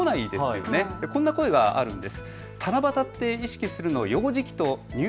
ただ、こんな声があるんです。